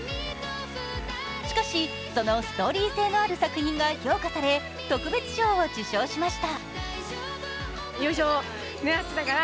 しかしそのストーリー性のある作品が評価され特別賞を受賞しました。